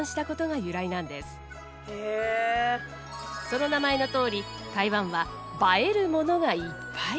その名前のとおり台湾は映えるものがいっぱい。